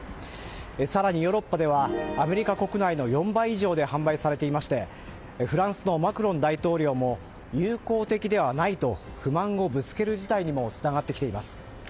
更にヨーロッパではアメリカ国内の４倍以上で販売されていましてフランスのマクロン大統領も友好的ではないと不満をぶつける事態にもつながってきています。